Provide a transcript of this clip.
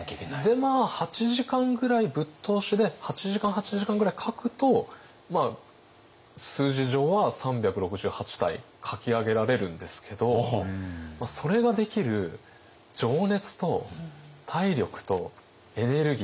で８時間ぐらいぶっ通しで８時間８時間ぐらい描くと数字上は３６８体描き上げられるんですけどそれができる情熱と体力とエネルギー。